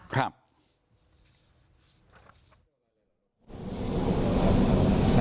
ครับ